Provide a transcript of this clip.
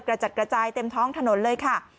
กระจัดกระจายเต็มท้องถนนเลยค่ะ